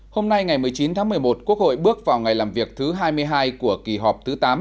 hôm nay ngày một mươi chín tháng một mươi một quốc hội bước vào ngày làm việc thứ hai mươi hai của kỳ họp thứ tám